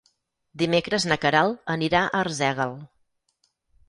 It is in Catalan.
Dimecres na Queralt anirà a Arsèguel.